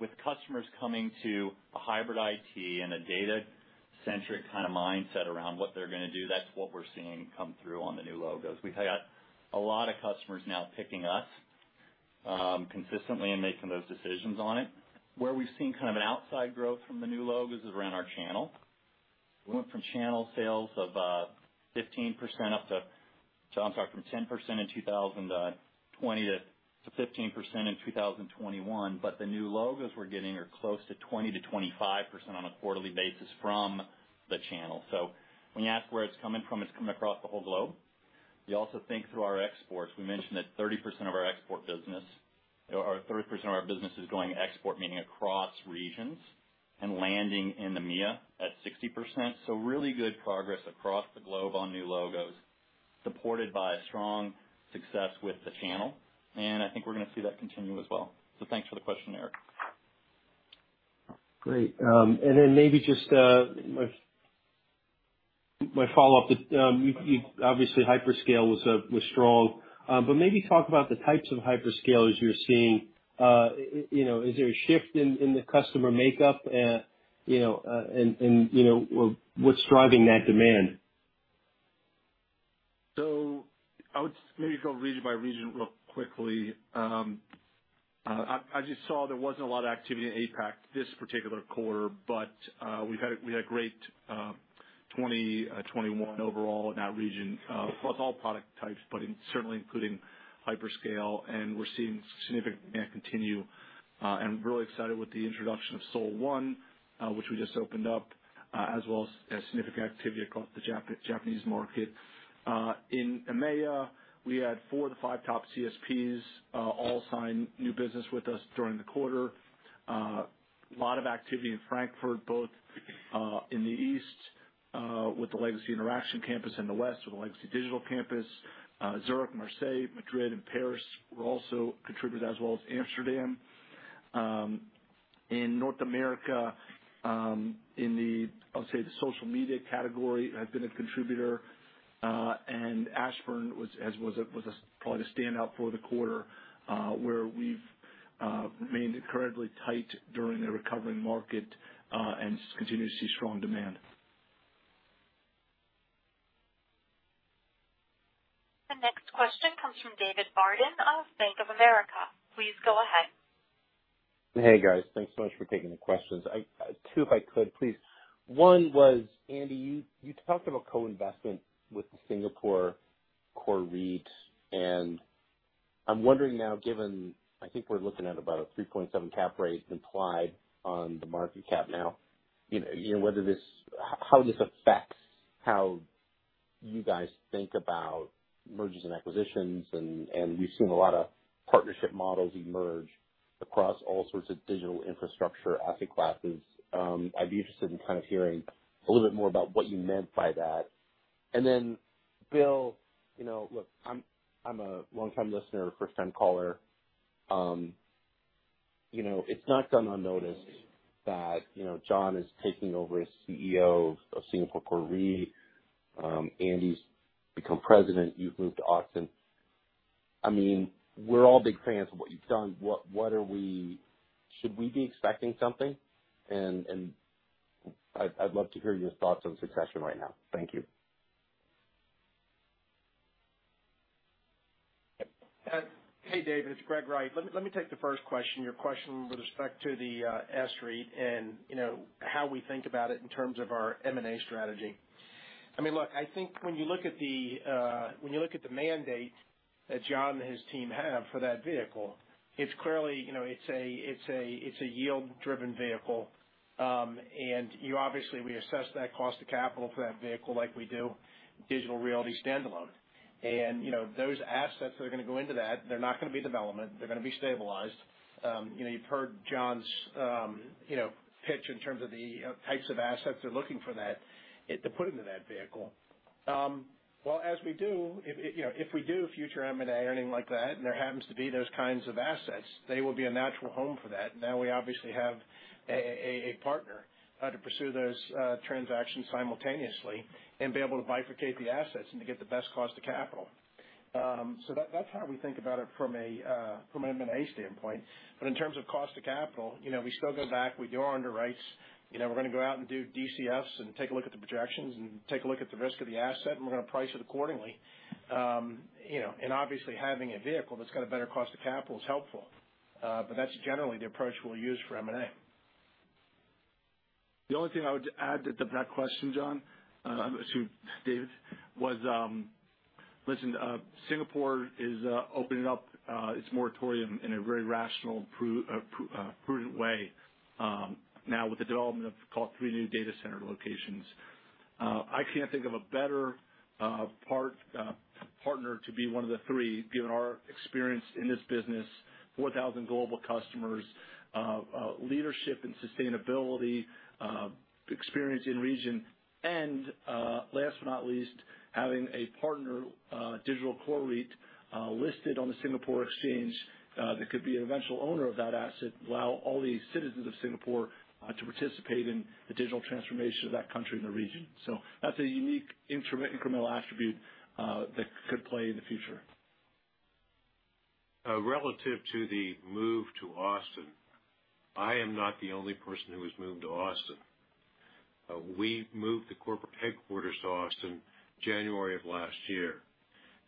[SPEAKER 8] with customers coming to a Hybrid IT and a data-centric kind of mindset around what they're gonna do. That's what we're seeing come through on the new logos. We've had a lot of customers now picking us consistently and making those decisions on it. Where we've seen kind of an outside growth from the new logos is around our channel. We went from channel sales of 15% up to sorry, from 10% in 2020 to 15% in 2021, but the new logos we're getting are close to 20%-25% on a quarterly basis from the channel. When you ask where it's coming from, it's coming across the whole globe. You also think through our exports. We mentioned that 30% of our export business or 30% of our business is going export, meaning across regions and landing in the EMEA at 60%. Really good progress across the globe on new logos, supported by a strong success with the channel, and I think we're gonna see that continue as well. Thanks for the question, Eric.
[SPEAKER 10] Great. Maybe just my follow-up that you obviously Hyperscale was strong. Maybe talk about the types of Hyperscale as you're seeing. You know, is there a shift in the customer makeup? You know, what's driving that demand?
[SPEAKER 4] I would maybe go region by region really quickly. I just saw there wasn't a lot of activity in APAC this particular quarter, but we had great 2021 overall in that region across all product types, certainly including Hyperscale, and we're seeing significant continued and really excited with the introduction of Seoul 1, which we just opened up, as well as significant activity across the Japanese market. In EMEA, we had four of the five top CSPs all sign new business with us during the quarter. A lot of activity in Frankfurt, both in the east with the Legacy Interxion Campus and the west with the Legacy Digital Campus. Zürich, Marseille, Madrid, and Paris were also contributors as well as Amsterdam. In North America, in the, I would say, the social media category had been a contributor. Ashburn was, as was a, probably the standout for the quarter, where we've remained incredibly tight during the recovering market, and continue to see strong demand.
[SPEAKER 1] The next question comes from David Barden of Bank of America. Please go ahead.
[SPEAKER 11] Hey, guys. Thanks so much for taking the questions. I have two if I could please. One was, Andy, you talked about co-investment with the Digital Core REIT, and I'm wondering now, given, I think we're looking at about a 3.7 cap rate implied on the market cap now, you know, whether this affects how you guys think about mergers and acquisitions, and we've seen a lot of partnership models emerge across all sorts of digital infrastructure asset classes. I'd be interested in kind of hearing a little bit more about what you meant by that. Bill, you know, look, I'm a longtime listener, first time caller. You know, it's not gone unnoticed that, you know, John is taking over as CEO of Digital Core REIT. Andy's become president. You've moved to Austin. I mean, we're all big fans of what you've done. What are we? Should we be expecting something? I'd love to hear your thoughts on succession right now. Thank you.
[SPEAKER 12] Hey, David, it's Greg Wright. Let me take the first question, your question with respect to the S-REIT and, you know, how we think about it in terms of our M&A strategy. I mean, look, I think when you look at the mandate that John and his team have for that vehicle, it's clearly, you know, it's a yield driven vehicle. You obviously reassess that cost of capital for that vehicle like we do Digital Realty standalone. You know, those assets that are gonna go into that, they're not gonna be development. You know, you've heard John's pitch in terms of the types of assets they're looking for to put into that vehicle. Well, as we do, if you know, if we do future M&A or anything like that, and there happens to be those kinds of assets, they will be a natural home for that. Now, we obviously have a partner to pursue those transactions simultaneously and be able to bifurcate the assets and to get the best cost of capital. That's how we think about it from an M&A standpoint. In terms of cost of capital, you know, we still go back. We do our underwrites. You know, we're gonna go out and do DCFs and take a look at the projections and take a look at the risk of the asset, and we're gonna price it accordingly. You know, obviously having a vehicle that's got a better cost of capital is helpful. That's generally the approach we'll use for M&A.
[SPEAKER 4] The only thing I would add to that question, John, excuse me, David, was, Singapore is opening up its moratorium in a very rational, prudent way, now with the development of, call it, three new data center locations. I can't think of a better partner to be one of the three given our experience in this business, 4,000 global customers, leadership and sustainability, experience in region. Last but not least, having a partner, Digital Core REIT, listed on the Singapore Exchange, that could be an eventual owner of that asset, allow all the citizens of Singapore, to participate in the digital transformation of that country and the region. That's a unique incremental attribute that could play in the future.
[SPEAKER 3] Relative to the move to Austin, I am not the only person who has moved to Austin. We moved the corporate headquarters to Austin January of last year,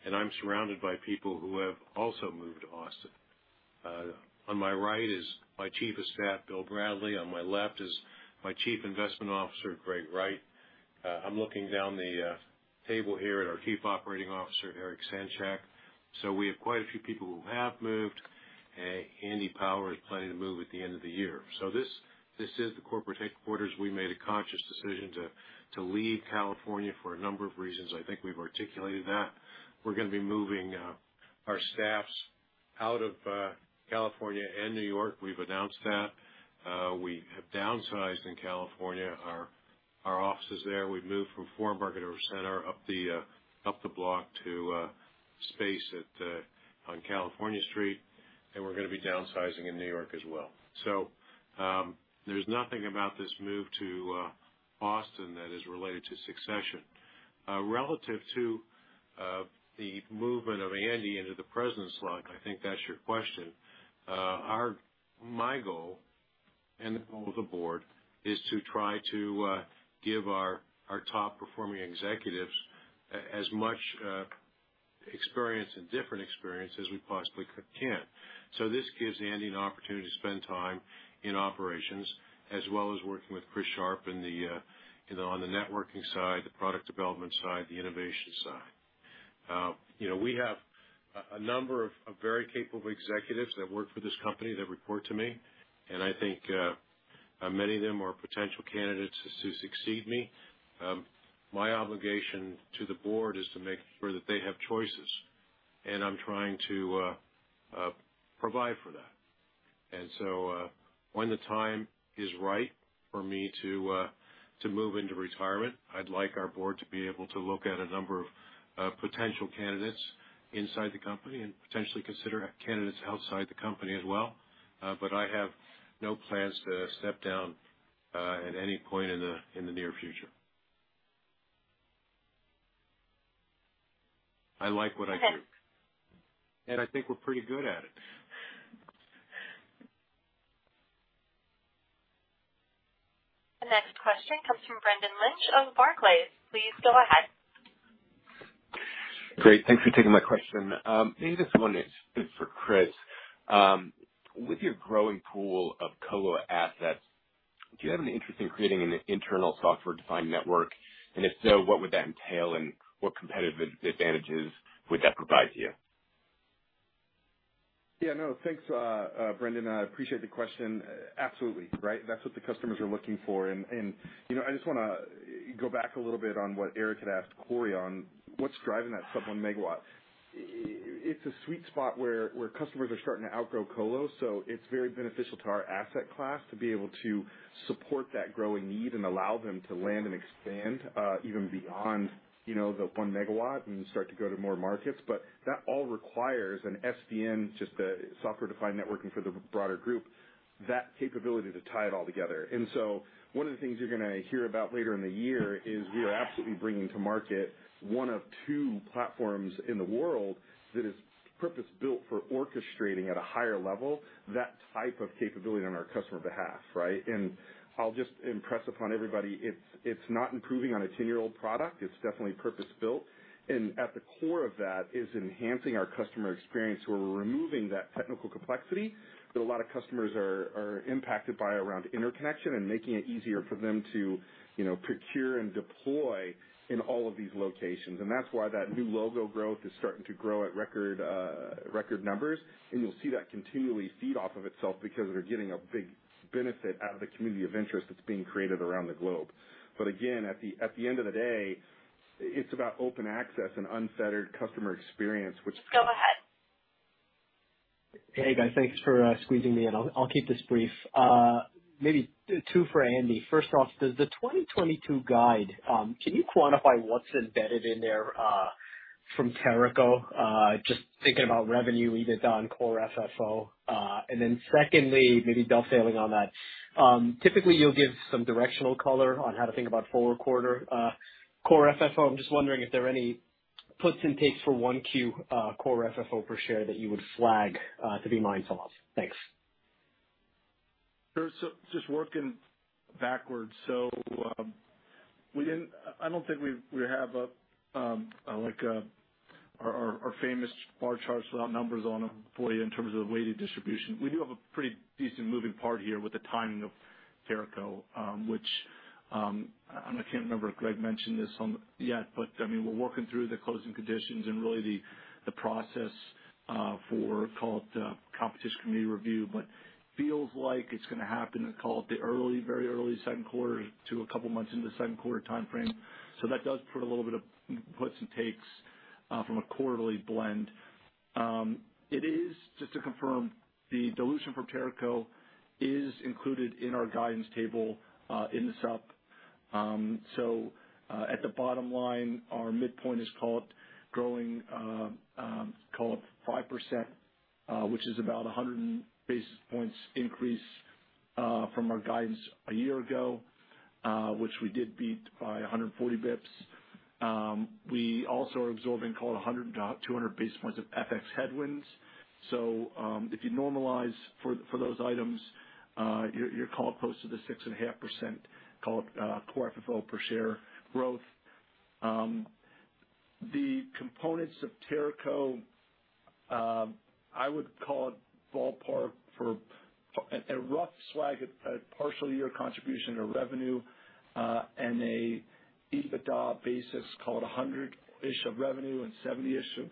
[SPEAKER 3] and I'm surrounded by people who have also moved to Austin. On my right is my Chief of Staff, Bill Bradley. On my left is my Chief Investment Officer, Greg Wright. I'm looking down the table here at our Chief Operating Officer, Erich Sanchack. We have quite a few people who have moved. Andy Power is planning to move at the end of the year. This is the corporate headquarters. We made a conscious decision to leave California for a number of reasons. I think we've articulated that. We're gonna be moving our staffs out of California and New York. We've announced that. We have downsized in California. Our office is there. We've moved from Four Embarcadero Center up the block to space on California Street, and we're gonna be downsizing in New York as well. There's nothing about this move to Austin that is related to succession. Relative to the movement of Andy into the President slot, I think that's your question. My goal and the goal of the board is to try to give our top-performing executives as much experience and different experience as we possibly can. This gives Andy an opportunity to spend time in operations as well as working with Chris Sharp on the networking side, the product development side, the innovation side. You know, we have a number of very capable executives that work for this company that report to me, and I think many of them are potential candidates to succeed me. My obligation to the board is to make sure that they have choices, and I'm trying to provide for that. When the time is right for me to move into retirement, I'd like our Board to be able to look at a number of potential candidates inside the company and potentially consider candidates outside the company as well. I have no plans to step down at any point in the near future. I like what I do.
[SPEAKER 1] Thanks.
[SPEAKER 3] I think we're pretty good at it.
[SPEAKER 1] The next question comes from Brendan Lynch of Barclays. Please go ahead.
[SPEAKER 13] Great. Thanks for taking my question. Maybe this one is for Chris. With your growing pool of colo assets, do you have any interest in creating an internal software-defined network? If so, what would that entail, and what competitive advantages would that provide to you?
[SPEAKER 14] Yeah, no. Thanks, Brendan. I appreciate the question. Absolutely, right? That's what the customers are looking for. You know, I just wanna go back a little bit on what Eric had asked Corey on what's driving that sub-1 MW. It's a sweet spot where customers are starting to outgrow colo, so it's very beneficial to our asset class to be able to support that growing need and allow them to land and expand even beyond, you know, the 1 MW and start to go to more markets. That all requires an SDN, just the software-defined networking for the broader group, that capability to tie it all together. One of the things you're gonna hear about later in the year is we are absolutely bringing to market one of two platforms in the world that is purpose-built for orchestrating at a higher level that type of capability on our customer behalf, right? I'll just impress upon everybody, it's not improving on a 10-year-old product. It's definitely purpose-built. At the core of that is enhancing our customer experience, where we're removing that technical complexity that a lot of customers are impacted by around interconnection and making it easier for them to, you know, procure and deploy in all of these locations. That's why that new logo growth is starting to grow at record numbers. You'll see that continually feed off of itself because they're getting a big benefit out of the community of interest that's being created around the globe. Again, at the end of the day, it's about open access and unfettered customer experience, which-
[SPEAKER 1] Go ahead.
[SPEAKER 6] Hey, guys. Thanks for squeezing me in. I'll keep this brief. Maybe two for Andy. First off, the 2022 guide, can you quantify what's embedded in there, from Teraco? Just thinking about revenue, EBITDA, and Core FFO. Then secondly, maybe dovetailing on that, typically you'll give some directional color on how to think about forward quarter, Core FFO. I'm just wondering if there are any puts and takes for 1Q, Core FFO per share that you would flag, to be mindful of. Thanks.
[SPEAKER 4] Just working backwards. I don't think we have like our famous bar charts without numbers on them for you in terms of weighted distribution. We do have a pretty decent moving part here with the timing of Teraco, which and I can't remember if Greg mentioned this yet, but I mean, we're working through the closing conditions and really the process for call it competition committee review. It feels like it's gonna happen at call it the early, very early second quarter to a couple months into second quarter timeframe. That does put a little bit of puts and takes from a quarterly blend. It is, just to confirm, the dilution from Teraco is included in our guidance table in the sup.
[SPEAKER 3] At the bottom line, our midpoint is call it growing call it 5%, which is about 100 basis points increase from our guidance a year ago, which we did beat by 140 basis points. We also are absorbing call it 100-200 basis points of FX headwinds. If you normalize for those items, you're call it close to the 6.5% call it Core FFO per share growth. The components of Teraco, I would call it ballpark for a rough swag at a partial year contribution of revenue and a EBITDA basis call it $100-ish of revenue and $70-ish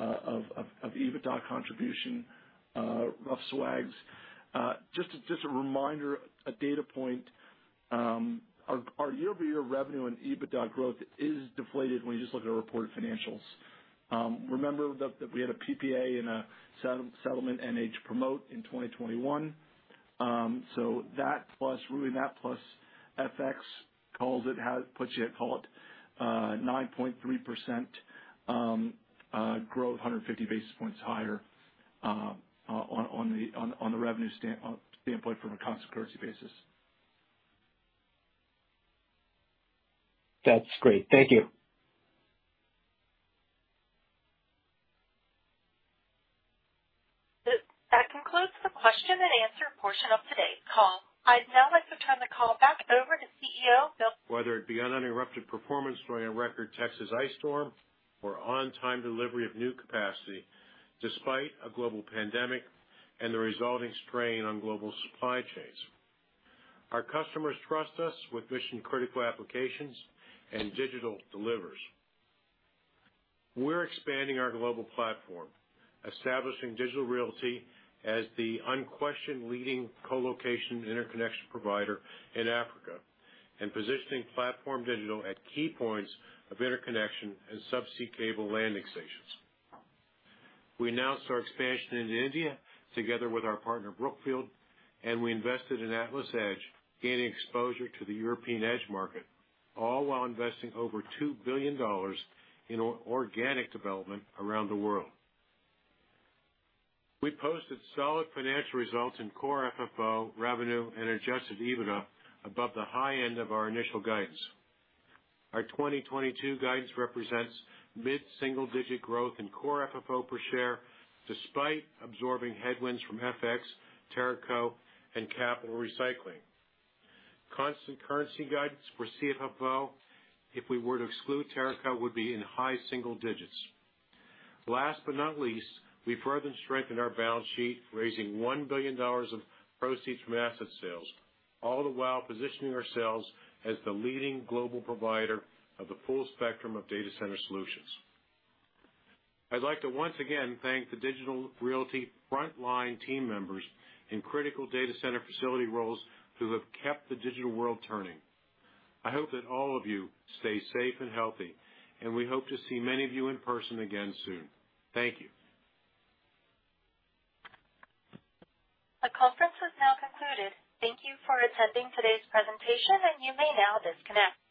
[SPEAKER 3] of EBITDA contribution, rough swags. Just a reminder, a data point, our year-over-year revenue and EBITDA growth is deflated when you just look at our reported financials. Remember that we had a PPA and a settlement and promote in 2021. That plus FX puts you at, call it, 9.3% growth, 150 basis points higher on the revenue standpoint from a constant currency basis.
[SPEAKER 6] That's great. Thank you.
[SPEAKER 1] That concludes the question and answer portion of today's call. I'd now like to turn the call back over to CEO, Bill Stein.
[SPEAKER 3] Whether it be uninterrupted performance during a record Texas ice storm or on-time delivery of new capacity despite a global pandemic and the resulting strain on global supply chains. Our customers trust us with mission-critical applications, and Digital delivers. We're expanding our global platform, establishing Digital Realty as the unquestioned leading colocation and interconnection provider in Africa, and positioning PlatformDIGITAL at key points of interconnection and subsea cable landing stations. We announced our expansion into India together with our partner, Brookfield, and we invested in AtlasEdge, gaining exposure to the European Edge market, all while investing over $2 billion in organic development around the world. We posted solid financial results in Core FFO, revenue, and Adjusted EBITDA above the high end of our initial guidance. Our 2022 guidance represents mid-single-digit growth in Core FFO per share, despite absorbing headwinds from FX, Teraco, and capital recycling. Constant currency guidance for FFO, if we were to exclude Teraco, would be in high-single digits. Last but not least, we further strengthened our balance sheet, raising $1 billion of proceeds from asset sales, all the while positioning ourselves as the leading global provider of the full spectrum of data center solutions. I'd like to once again thank the Digital Realty frontline team members in critical data center facility roles who have kept the digital world turning. I hope that all of you stay safe and healthy, and we hope to see many of you in person again soon. Thank you.
[SPEAKER 1] The conference has now concluded. Thank you for attending today's presentation, and you may now disconnect.